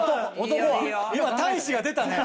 今大志が出たね。